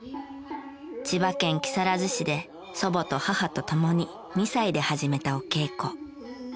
千葉県木更津市で祖母と母と共に２歳で始めたお稽古。